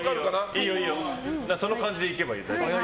いいよ、その感じでいけばいい。